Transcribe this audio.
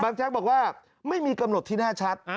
บังแจ็คบอกว่าไม่มีกำหนดที่น่าชัด